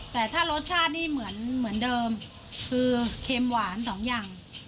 แต่ถ้ารสชาตินี่เหมือนเดิมคือเค็มหวาน๒อย่าง